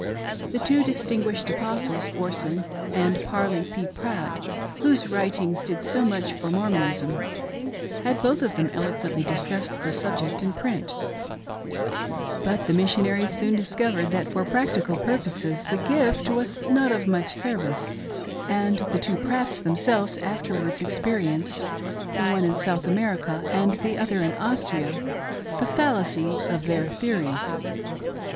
The two distinguished Apostles, Orson and Parley P. Pratt, whose writings did so much for Mormon ism, had both of them eloquently discussed the subject in print; but the Missionaries soon discovered that for practical pur poses the " gift" was not of much service ; and the two Pratts themselves afterwards experienced — the one in South America and the other in Austria — the fallacy of their theories.